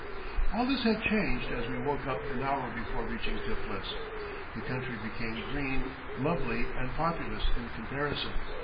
All this had changed as we woke up an hour before reaching Tiflis. The country became green, lovely, and populous in comparison.